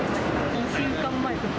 ２週間前とか。